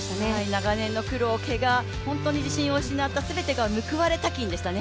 長年の苦労、けが、本当に自信を失った苦労が報われた金でしたね。